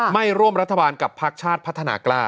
ไม่ร่วมรัฐบาลกับพักชาติพัฒนากล้า